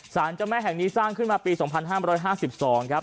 สารเจ้าแม่แห่งนี้สร้างขึ้นมาปี๒๕๕๒ครับ